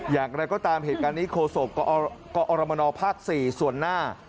และก็ตามเหตุการณ์นี้โคโศกกอรมนภ๔ส่วนหน้า